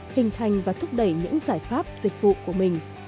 hình thành và thúc đẩy những giải pháp dịch vụ của mình